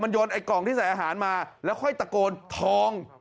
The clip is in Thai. โยนไอ้กล่องที่ใส่อาหารมาแล้วค่อยตะโกนทอง